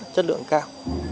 chất lượng cao